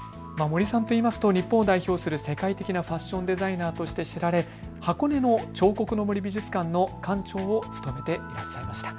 森さんといいますと日本を代表する世界的なファッションデザイナーとして知られ箱根の彫刻の森美術館の館長を務めていらっしゃいました。